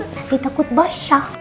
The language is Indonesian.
nanti takut basah